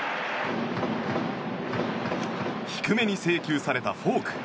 低めに制球されたフォーク。